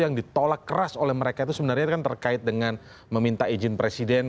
yang terkait dengan meminta izin presiden